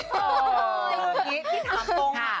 ใช่เพิ่งนี้ที่ถามตรงค่ะ